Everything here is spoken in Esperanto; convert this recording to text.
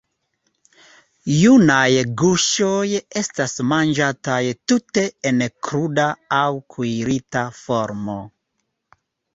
Junaj guŝoj estas manĝataj tute en kruda aŭ kuirita formo.